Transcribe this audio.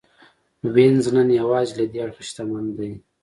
وینز نن یوازې له دې اړخه شتمن دی